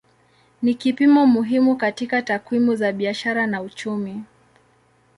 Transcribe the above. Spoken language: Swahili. Ni kipimo muhimu katika takwimu za biashara na uchumi.